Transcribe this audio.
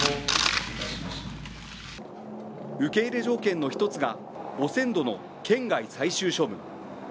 受け入れ条件の１つが、汚染土の県外最終処分。